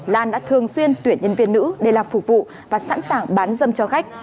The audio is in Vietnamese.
lan đã thường xuyên tuyển nhân viên nữ để làm phục vụ và sẵn sàng bán dâm cho khách